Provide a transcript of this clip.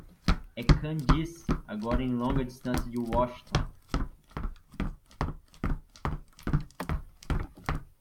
É Candice agora em longa distância de Washington!